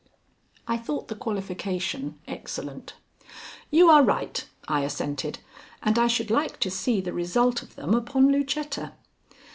I thought the qualification excellent. "You are right," I assented, "and I should like to see the result of them upon Lucetta."